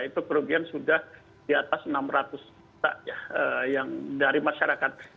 itu kerugian sudah di atas enam ratus juta yang dari masyarakat